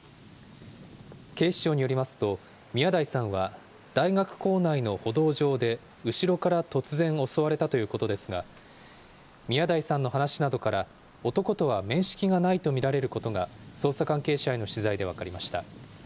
警視庁によりますと、宮台さんは大学構内の歩道上で、後ろから突然襲われたということですが、宮台さんの話などから、男とは面識がないと見られることが、捜査関係者への取材で分かりました。